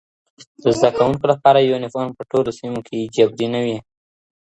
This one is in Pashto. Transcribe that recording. د زده کوونکو لپاره یونیفورم په ټولو سیمو کي جبري نه و.